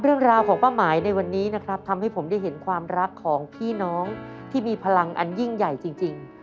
เรื่องราวของป้าหมายในวันนี้นะครับทำให้ผมได้เห็นความรักของพี่น้องที่มีพลังอันยิ่งใหญ่จริง